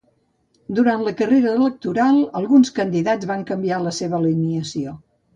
Durant la carrera electoral, alguns candidats van canviar la seva alineació.